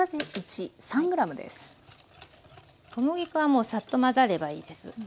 小麦粉はもうサッと混ざればいいです。